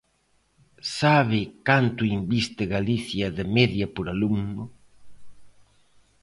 ¿Sabe canto inviste Galicia de media por alumno?